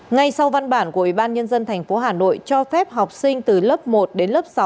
ngay sau văn bản của ủy ban nhân dân tp hà nội cho phép học sinh từ lớp một đến lớp sáu